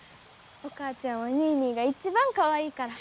お母ちゃんはニーニーが一番かわいいから。